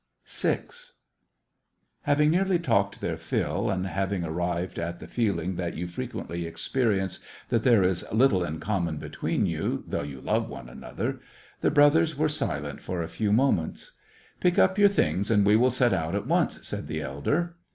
148 SEVASTOPOL IN AUGUST. VI. Having nearly talked their fill and having arrived at the feeling that you frequently experi ence, that there is little in common between you, though you love one another, the brothers were silent for a few moments. " Pick up your things and we will set out at once," said the elder.